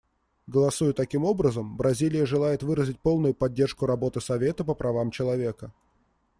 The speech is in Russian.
Голосуя таким образом, Бразилия желает выразить полную поддержку работы Совета по правам человека.